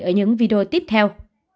ở những video tiếp theo